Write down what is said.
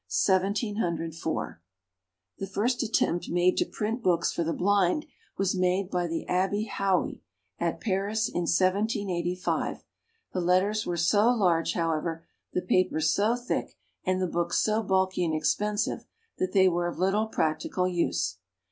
The first attempt made to print books for the blind was made by the Abbe Hauy, at Paris, in 1785. The letters were so large, however, the paper so thick, and the books so bulky and expensive, that they were of little practical use.